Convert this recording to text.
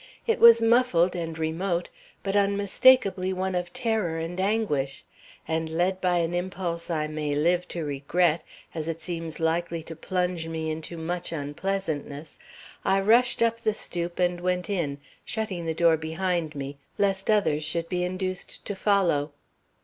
It was muffled and remote, but unmistakably one of terror and anguish: and, led by an impulse I may live to regret, as it seems likely to plunge me into much unpleasantness, I rushed up the stoop and went in, shutting the door behind me, lest others should be induced to follow.